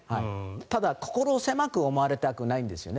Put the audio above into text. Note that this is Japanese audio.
ただ、心が狭く思われたくないんですよね。